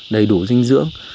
đầy đủ dinh dưỡng